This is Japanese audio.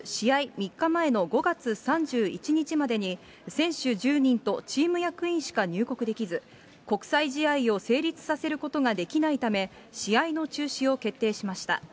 ３日前の５月３１日までに、選手１０人とチーム役員しか入国できず、国際試合を成立させることができないため、試合の中止を決定しました。